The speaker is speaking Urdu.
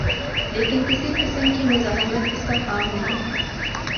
لیکن کسی قسم کی مزاحمت اس کا کام نہیں۔